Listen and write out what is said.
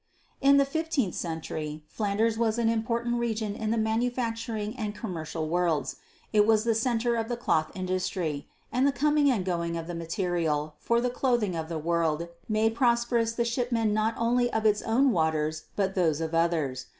In the fifteenth century Flanders was an important region in the manufacturing and commercial worlds. It was the centre of the cloth industry; and the coming and going of the material for the clothing of the world made prosperous the shipmen not only of its own waters but those of others.